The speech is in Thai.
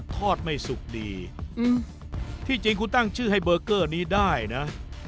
ทอดไม่สุกดีที่จริงคุณตั้งชื่อให้เบอร์เกอร์นี้ได้นะ